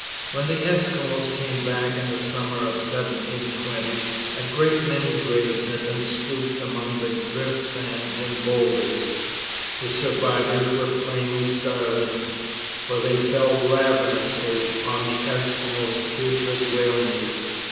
When the Eskimos came back in the summer of 1720, a great many graves had been scooped among the drift sand and boulders. The survivors were plainly starving, for they fell ravenously on the Eskimos' putrid whale meat.